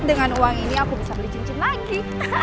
dengan uang ini aku bisa beli cincin lagi